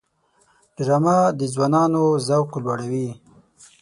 ډرامه د ځوانانو ذوق لوړوي